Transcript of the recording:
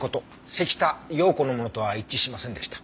関田陽子のものとは一致しませんでした。